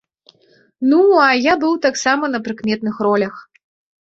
Ну, а я быў таксама на прыкметных ролях.